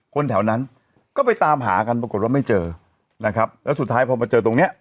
คนแถวนั้นก็ไปตามหากันปรากฏว่าไม่เจอนะครับแล้วสุดท้ายพอมาเจอตรงเนี้ย